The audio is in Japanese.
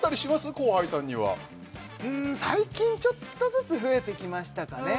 後輩さんにはん最近ちょっとずつ増えてきましたかね